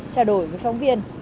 trao đổi với phóng viên